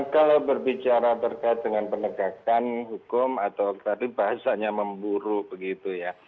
kalau berbicara terkait dengan penegakan hukum atau tadi bahasanya memburu begitu ya